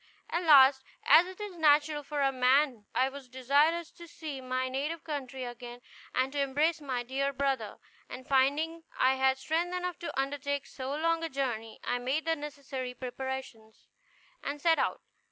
At last, as it is natural for a man, I was desirous to see my native country again, and to embrace my dear brother; and finding I had strength enough to undertake so long a journey, I made the necessary preparations, and set out.